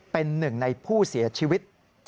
เป็นหนึ่งในผู้เสียชีวิต